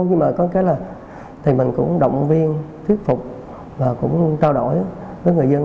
nhưng mà có cái là thì mình cũng động viên thuyết phục và cũng trao đổi với người dân